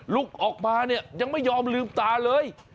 ลุกออกมาเนี่ยยังไม่ยอมลืมตาเลย